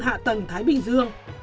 hạ tầng thái bình dương